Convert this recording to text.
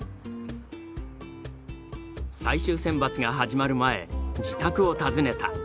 最終選抜が始まる前自宅を訪ねた。